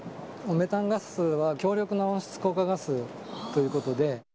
メタンガスは、強力な温室効果ガスということで。